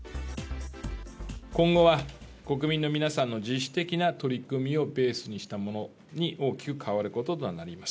今後は国民の皆さんの自主的な取り組みをベースにしたものに大きく変わることとなります。